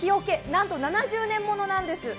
なんと７０年ものなんです。